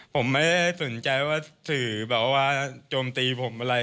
ผมไม่ได้สนใจว่าสื่อแบบว่าโจมตีผมอะไร